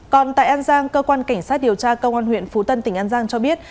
còn tại an giang cơ quan cảnh sát điều tra công an huyện phú tân tỉnh an giang cho biết